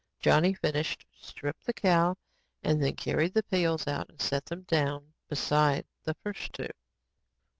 Johnny finished, stripped the cow, and then carried the pails out and set them down beside the first two.